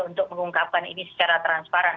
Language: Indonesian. untuk mengungkapkan ini secara transparan